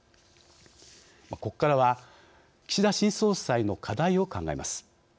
ここからは岸田新総裁の課題を考えます。